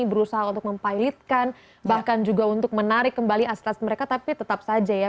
berusaha untuk mempilotkan bahkan juga untuk menarik kembali astrasi mereka tapi tetap saja ya